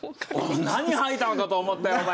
何吐いたのかと思ったよお前。